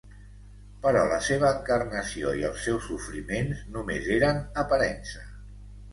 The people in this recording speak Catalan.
Però la seva encarnació i els seus sofriments només eren aparença.